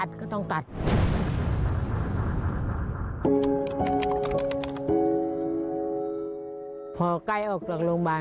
พอใกล้ออกจากโรงพยาบาล